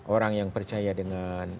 orang yang percaya dengan